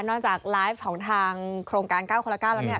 นอกจากไลฟ์ของทางโครงการ๙คนละ๙แล้ว